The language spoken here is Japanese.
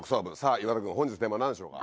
岩田君本日のテーマ何でしょうか。